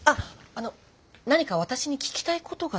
あの何か私に聞きたいことが。